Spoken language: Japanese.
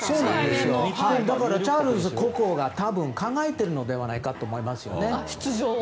だからチャールズ国王が出場を考えているのではないかと思いますね。